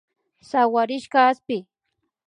Sawarishka aspi